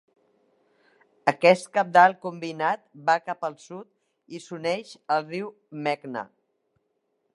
Aquest cabdal combinat va cap al sud i s'uneix al riu Meghna.